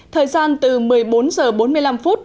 thời gian từ một mươi bốn h bốn mươi năm phút